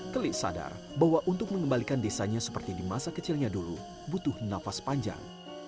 kelik sadar bahwa untuk mengembalikan desanya seperti di masa kecilnya dulu butuh nafas panjang